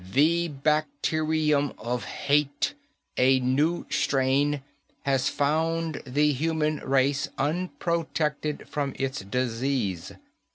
"The bacterium of hate a new strain has found the human race unprotected from its disease.